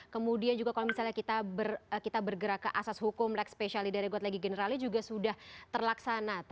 kemudian juga kalau misalnya kita bergerak ke asas hukum like special leader like generali juga sudah terlaksana